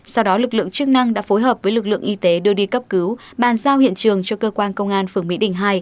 sau đó lực lượng chức năng đã phối hợp với lực lượng y tế đưa đi cấp cứu bàn giao hiện trường cho cơ quan công an phường mỹ đình hai